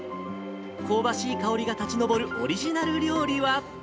香ばしい香りが立ち上るオリジナル料理は。